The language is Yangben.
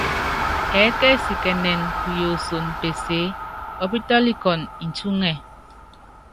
Ɛɛkɛsikɛnɛnɛ kuyosono peseé, ɔpítɔ́likɔnɔ ncúŋɛ.